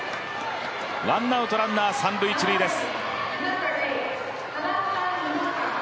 ワンアウトランナー三・一塁です。